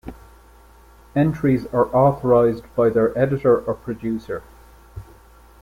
Entries are authorised by their editor or producer.